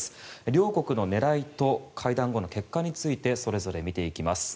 両国の狙いと会談後の結果についてそれぞれ見ていきます。